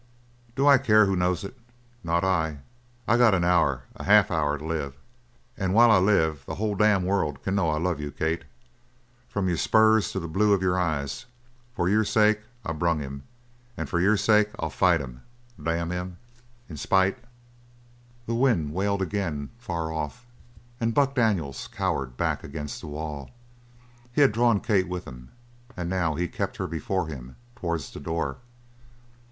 "Do I care who knows it? Not I! I got an hour half an hour to live; and while I live the whole damned world can know I love you, Kate, from your spurs to the blue of your eyes. For your sake I brung him, and for your sake I'll fight him, damn him, in spite " The wind wailed again, far off, and Buck Daniels cowered back against the wall. He had drawn Kate with him, and he now kept her before him, towards the door.